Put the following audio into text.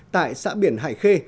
tại xã biển hải khê